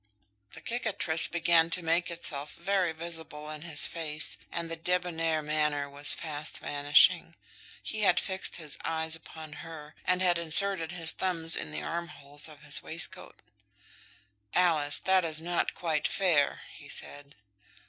The cicatrice began to make itself very visible in his face, and the debonair manner was fast vanishing. He had fixed his eyes upon her, and had inserted his thumbs in the armholes of his waistcoat. "Alice, that is not quite fair," he said.